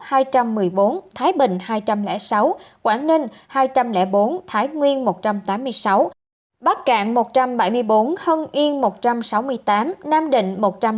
quảng ninh hai trăm linh bốn thái bình hai trăm linh sáu quảng ninh hai trăm linh bốn thái nguyên một trăm tám mươi sáu bắc cạn một trăm bảy mươi bốn hân yên một trăm sáu mươi tám nam định một trăm năm mươi